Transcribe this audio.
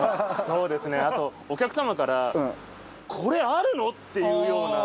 そうですねあとお客様からこれあるの？っていうような。